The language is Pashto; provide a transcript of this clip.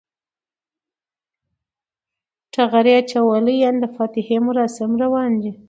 ټغر یی اچولی یعنی د فاتحی مراسم روان دی